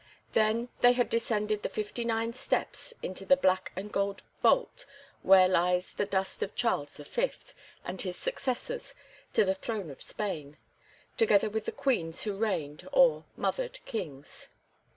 Then they had descended the fifty nine steps into the black and gold vault where lies the dust of Charles V. and his successors to the throne of Spain, together with the queens who reigned, or mothered kings.